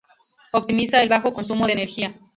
Optimiza el bajo consumo de energía.